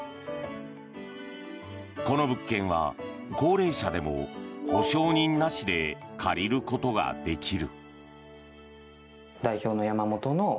この物件は高齢者でも保証人なしで借りることができる。